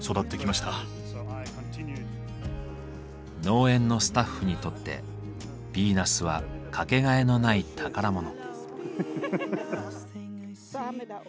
農園のスタッフにとってヴィーナスは掛けがえのない宝物。